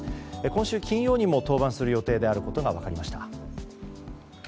今週金曜にも登板する予定であることが分かりました。